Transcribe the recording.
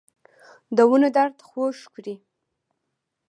دونو درد خوږ کړی